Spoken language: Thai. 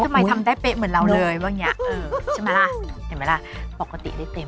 คือแบบทำได้เป๊ะเหมือนเราเลยใช่มั้ยล่ะปกติได้เต็ม